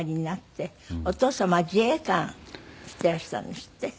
お父様は自衛官してらしたんですって？